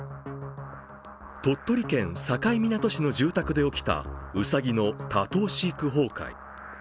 鳥取県境港市の住宅で起きたうさぎの多頭飼育崩壊。